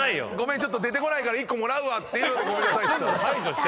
ちょっと出てこないから１個もらうわっていうごめんなさい。